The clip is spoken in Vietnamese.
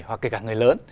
hoặc kể cả người lớn